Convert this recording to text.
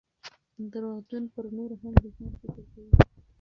درواغجن پرنورو هم دځان فکر کوي